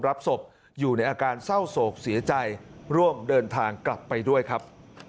รับศพอยู่ในอาการเศร้าโศกเสียใจร่วมเดินทางกลับไปด้วยครับ